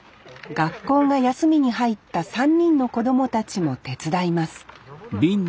学校が休みに入った３人の子供たちも手伝います